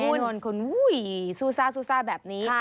แน่นอนคุณซูซ่าแบบนี้